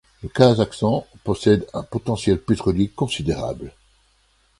Le Kazakhstan possède un potentiel pétrolier considérable.